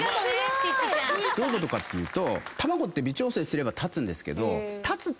どういうことかっていうと。